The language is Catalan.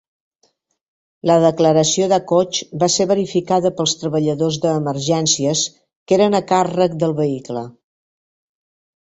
La declaració de Koch va ser verificada pels treballadors d'emergències que eren a càrrec del vehicle.